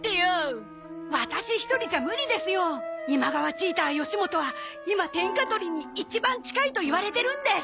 チーター義元は今天下取りに一番近いといわれてるんです！